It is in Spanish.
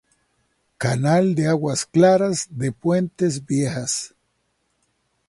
Canal de aguas claras de Puentes Viejas.